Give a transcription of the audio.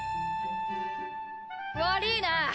悪いな。